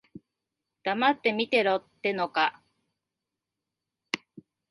黙って見てろってのか。